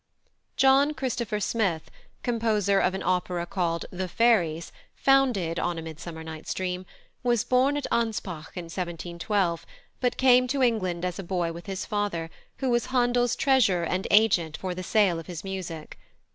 +John Christopher Smith+, composer of an opera called The Fairies, founded on A Midsummer Night's Dream, was born at Anspach in 1712, but came to England as a boy with his father, who was Handel's treasurer and agent for the sale of his music.